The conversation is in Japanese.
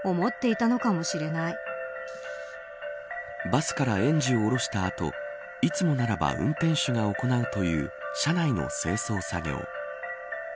バスから園児を降ろしたあといつもならば運転手が行うという車内の清掃作業。